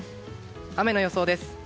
雨の予想です。